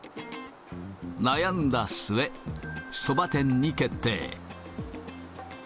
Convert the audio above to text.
悩んだ末、そば店に決定。